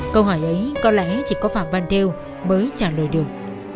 câu hỏi ấy có lẽ chỉ có phạm văn đêu mới trả lời được